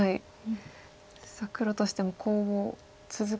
さあ黒としてもコウを続けるのか。